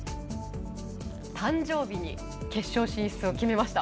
誕生日に決勝進出を決めました。